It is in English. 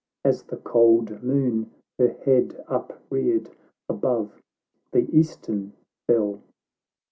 oG9 As the cold Moon her head upreared Above the eastern Fell.